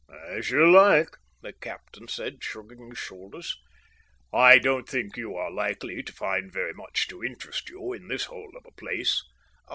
"As you like," the captain said, shrugging his shoulders. "I don't think you are likely to find very much to interest you in this hole of a place."